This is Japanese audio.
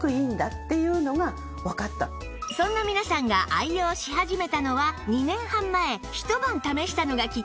そんな皆さんが愛用し始めたのは２年半前ひと晩試したのがきっかけ